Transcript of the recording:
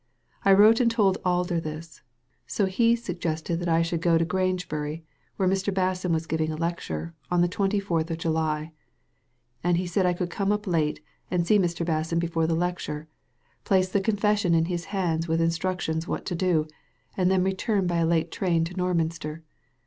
I wrote and told Alder this, so he suggested that I should go to Grangebury, where Mr. Basson was giving a lecture, on the twenty fourth of July, and he said I could come up late and see Mr. Basson before the lecture, place the Digitized by Google PROOF POSITIVE 245 confession in his hands with instructions what to do, and then return by a late train to Norminster.